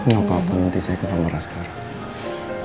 gak apa apa nanti saya ketemu dia sekarang